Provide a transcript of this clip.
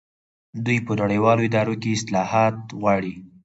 دوی په نړیوالو ادارو کې اصلاحات غواړي.